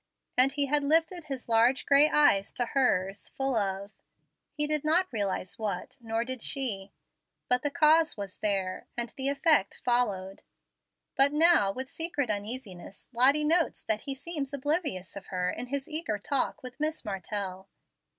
And he had lifted his large gray eyes to hers full of he did not realize what, nor did she but the cause was there, and the effect followed. But now, with secret uneasiness, Lottie notes that he seems oblivious of her in his eager talk with Miss Martell.